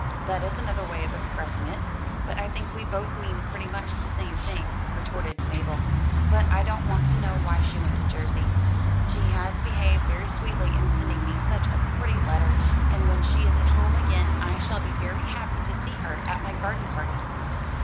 "That is another way of expressing it, but I think we both mean pretty much the same thing," retorted Mabel. "But I don't want to know why she went to Jersey. She has behaved very sweetly in sending me such a pretty letter; and when she is at home again I shall be very happy to see her at my garden parties."